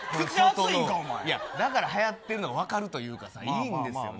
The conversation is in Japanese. だからはやってるのが分かるというか、いいんですよね。